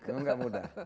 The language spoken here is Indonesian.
memang tidak mudah